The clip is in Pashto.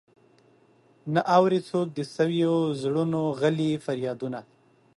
نه اوري څوک د سويو زړونو غلي فريادونه.